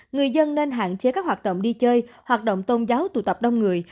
người dân nên hạn chế các hoạt động đi chơi hoạt động tôn giáo tụ tập đông người